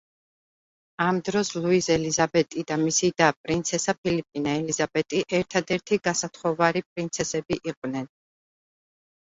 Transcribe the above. ამ დროს ლუიზ ელიზაბეტი და მისი და, პრინცესა ფილიპინა ელიზაბეტი ერთად-ერთი გასათხოვარი პრინცესები იყვნენ.